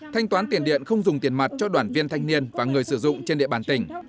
thanh toán tiền điện không dùng tiền mặt cho đoàn viên thanh niên và người sử dụng trên địa bàn tỉnh